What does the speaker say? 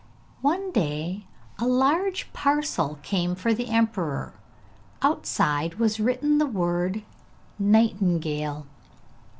One day a large parcel came for the emperor; outside was written the word 'Nightingale.'